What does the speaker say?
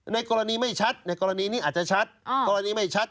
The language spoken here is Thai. ในกรณีไม่ชัดในกรณีนี้อาจจะชัด